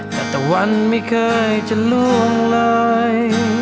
แต่ตะวันไม่เคยจะล่วงเลย